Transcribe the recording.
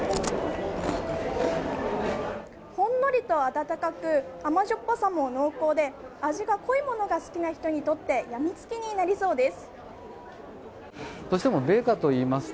ほんのりと温かく甘酸っぱさも濃厚で味が濃いものが好きな人にとってやみつきになりそうです。